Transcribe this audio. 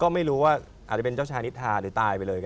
ก็ไม่รู้ว่าอาจจะเป็นเจ้าชายนิทาหรือตายไปเลย